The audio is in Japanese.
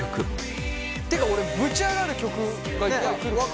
てか俺ぶち上がる曲が一回来るかなと。